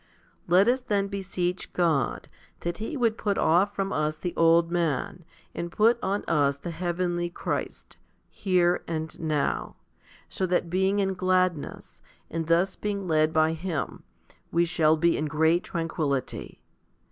3. Let us then beseech God that He would put off from us the old man, and put on us the heavenly Christ, here and now, so that being in gladness, and thus being led by Him, we shall be in great tranquillity.